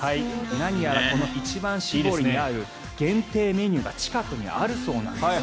何やらこの一番搾りに合う限定グルメが近くにあるそうなんです。